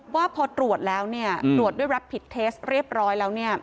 ว่าพอตรวจแล้วตรวจด้วยรับผิดเทสเรียบร้อยแล้ว